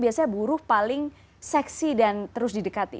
biasanya buruh paling seksi dan terus didekati